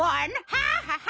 ハハハハ！